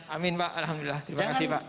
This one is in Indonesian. amin pak alhamdulillah terima kasih pak